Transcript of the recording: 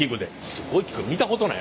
すごい器具見たことない。